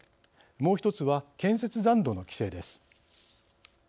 もう１つは、建設残土の規制です。